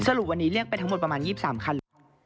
สรุปวันนี้เรียกไปทั้งหมดประมาณ๒๓คันหรือ